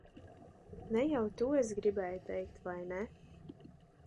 Ne jau to es gribēju teikt, vai ne?